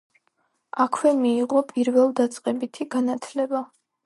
აქვე მიიღო პირველდაწყებითი განათლება.